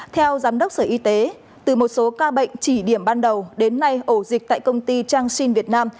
theo giám đốc sở y tế từ một số ca bệnh chỉ điểm ban đầu đến nay ổ dịch tại công ty trang sinh việt nam